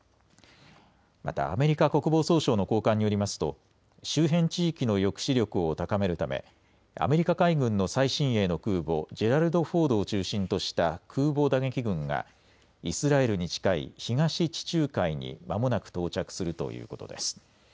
また、アメリカ国防総省の高官によりますと周辺地域の抑止力を高めるためアメリカ海軍の最新鋭の空母、ジェラルド・フォードを中心とした空母打撃群がイスラエルに近い東地中海にまもなく到着するということです。